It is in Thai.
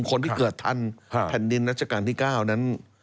คนที่เกิดทันแผ่นดินรัชกาลที่๙นั้น